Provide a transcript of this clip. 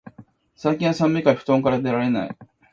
最近は寒いからお布団から出られない